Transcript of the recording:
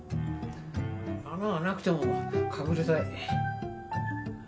穴がなくても隠れたい。